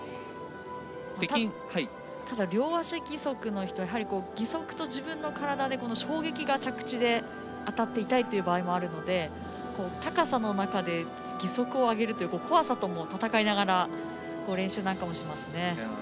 ただ両足義足の人義足と自分の体で衝撃が着地で当たって痛いという場合もあるので高さの中で義足を上げるという怖さと戦いながら練習なんかもしますね。